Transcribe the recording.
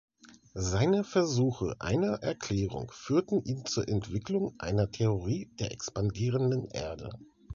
Seine Versuche einer Erklärung führten ihn zur Entwicklung einer Theorie der expandierenden Erde.